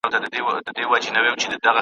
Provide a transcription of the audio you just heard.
نه په سرمنزل نه رباتونو پوهېدلی یم ,